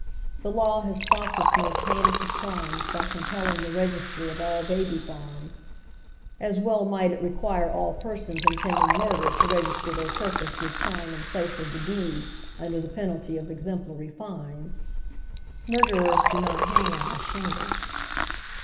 The law has fought this most hein ous of crimes by compelling the registry of all baby farms. As well might it require ali persons intending murder to register their purpose with time and place of the deed un der the penalty of exemplary fines. Murderers do not hang out a shingle.